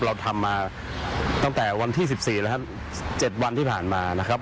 เราทำมาตั้งแต่วันที่๑๔แล้วครับ๗วันที่ผ่านมานะครับ